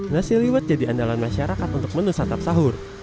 nasi liwet jadi andalan masyarakat untuk menu satap sahur